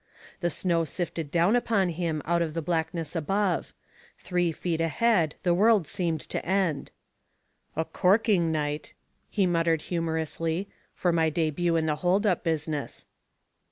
The snow sifted down upon him out of the blackness above; three feet ahead the world seemed to end. "A corking night," he muttered humorously, "for my debut in the hold up business."